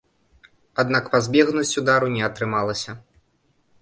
Аднак пазбегнуць удару не атрымалася.